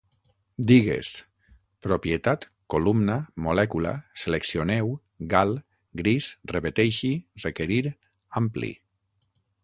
Digues: propietat, columna, molècula, seleccioneu, gal, gris, repeteixi, requerir, ampli